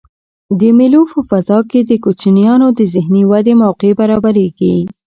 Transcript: د مېلو په فضا کښي د کوچنيانو د ذهني ودي موقع برابریږي.